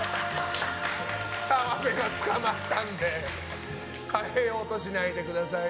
澤部が捕まったんで変えようとしないでください。